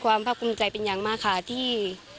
ขอบคุณมากค่ะที่